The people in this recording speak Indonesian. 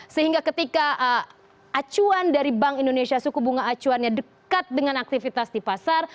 sehingga ketika acuan dari bank indonesia suku bunga acuannya dekat dengan aktivitas di pasar